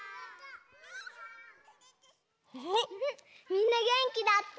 みんなげんきだって！